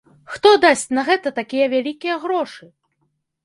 Хто дасць на гэта такія вялікія грошы?